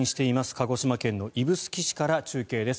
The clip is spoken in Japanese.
鹿児島県の指宿市から中継です。